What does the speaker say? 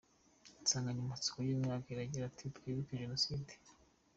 Insanganyamatsiko yuyu mwaka iragira iti Twibuke Jenoside.